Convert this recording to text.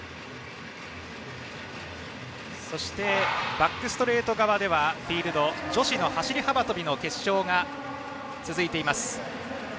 バックストレート側ではフィールド女子の走り幅跳びの決勝が続いています。